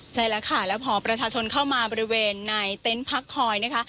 ใช่แล้วค่ะแล้วพอประชาชนเข้ามาบริเวณในเต็นต์พักคอยนะคะ